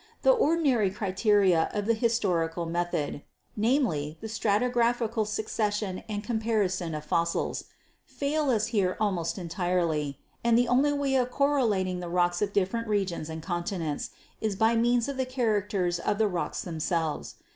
The ordinary criteria of the historical method — namely, the stratigraphical succes sion and the comparison of fossils — fail us here almost entirely, and the only way of correlating the rocks of dif ferent regions and continents is by means of the characters of the rocks themselves.